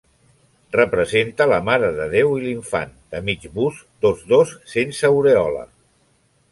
Representa la Mare de Déu i l’infant, de mig bust, tots dos sense aurèola.